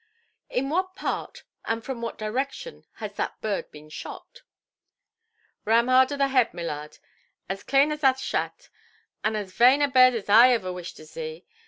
"In what part, and from what direction, has that bird been shot"? "Ramhard of the head, my lard, as clane athert shat, and as vaine a bird as iver I wish to zee.